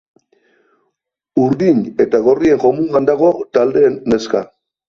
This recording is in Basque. Urdin eta gorrien jomugan dago taldeen neska.